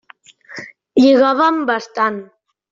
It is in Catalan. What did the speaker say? Lligàvem bastant.